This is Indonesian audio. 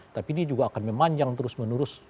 tapi dia juga akan memanjang terus menerus